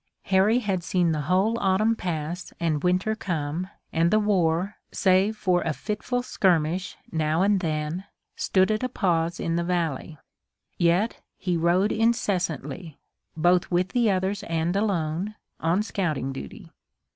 Harry had seen the whole autumn pass and winter come, and the war, save for a fitful skirmish now and then, stood at a pause in the valley. Yet he rode incessantly, both with the others and alone, on scouting duty.